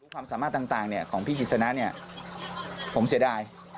ความสามารถต่างของพี่กิจสนะผมเสียดาย